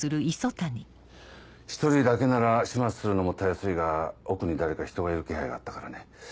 １人だけなら始末するのもたやすいが奥に誰か人がいる気配があったからね。